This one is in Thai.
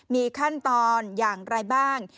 มีขั้นตอนอย่างไรบ้าง